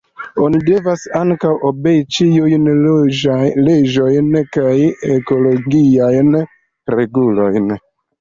Oni devas ankaŭ obei ĉiujn leĝojn kaj ekologiajn regulojn.